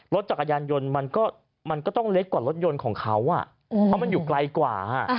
รถจักรยานยนต์มันก็ต้องเล็กกว่ารถยนต์ของเขาเพราะมันอยู่ไกลกว่า